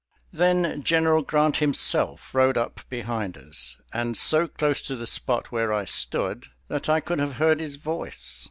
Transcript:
Then General Grant himself rode up behind us, and so close to the spot where I stood, that I could have heard his voice.